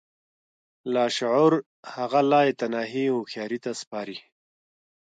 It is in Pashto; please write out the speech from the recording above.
لاشعور هغه لايتناهي هوښياري ته سپاري.